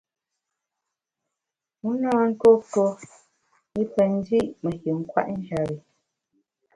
Wu na ntuo tuo i pe ndi’ me yin kwet njap bi.